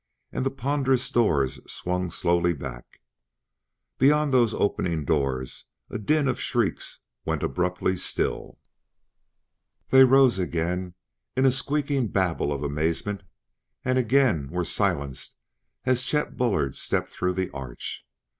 and the ponderous doors swung slowly back. Beyond those opening doors a din of shrieks went abruptly still. They rose again in a squeaking babel of amazement and again were silenced as Chet Bullard stepped through the arch.